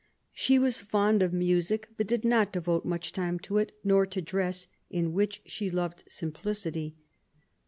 She was fond of music, but did not devote much time to it, nor to dress, in which she Jl: loved simplicity.